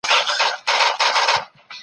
پرشتو انسان ته د درناوي سجده وکړه.